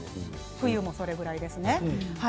冬も、そのぐらいですね。